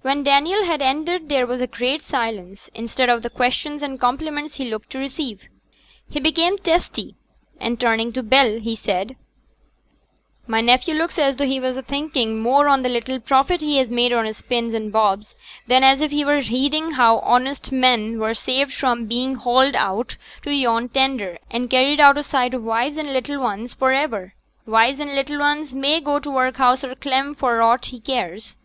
When Daniel had ended there was a great silence, instead of the questions and compliments he looked to receive. He became testy, and turning to Bell, said, 'My nephew looks as though he was a thinking more on t' little profit he has made on his pins an' bobs, than as if he was heeding how honest men were saved from being haled out to yon tender, an' carried out o' sight o' wives and little 'uns for iver. Wives an' little 'uns may go t' workhouse or clem for aught he cares.